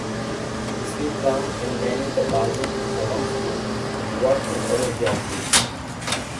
Smith planned and managed the budget for the school, and worked on community outreach.